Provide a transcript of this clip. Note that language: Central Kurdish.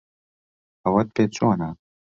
ئەوەت پێ چۆنە؟